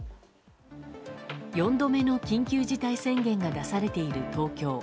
４度目の緊急事態宣言が出されている東京。